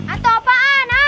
atau apaan ah